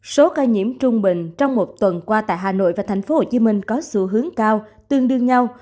số ca nhiễm trung bình trong một tuần qua tại hà nội và tp hcm có xu hướng cao tương đương nhau